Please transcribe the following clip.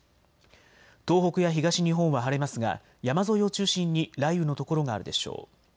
東北や東日本は晴れますが山沿いを中心に雷雨の所があるでしょう。